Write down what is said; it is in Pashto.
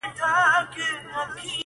پر پاتا یې نصیب ژاړي په سرو سترګو!!